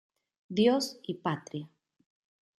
Dios y Patria".